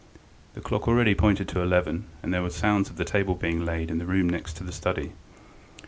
The clock already pointed to eleven, and there were sounds of the table being laid in the room next to the study.